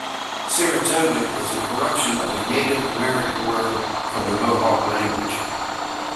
"Saratoga" is a corruption of a Native American word from the Mohawk language.